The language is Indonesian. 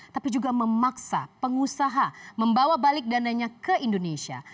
tapi juga memaksa pengusaha membawa balik dananya ke indonesia